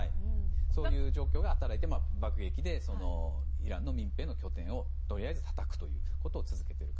そういう状況が働いて爆撃でイランの民兵の拠点をとりあえずたたくということを続けていると。